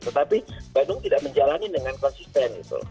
tetapi bandung tidak menjalani dengan konsisten gitu